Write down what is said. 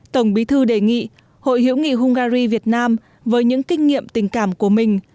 tổng bí thư đề nghị hội hữu nghị hungary việt nam với những kinh nghiệm tình cảm của mình